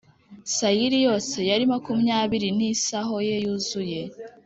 sayiri Yose yari makumyabiri n isaho ye yuzuye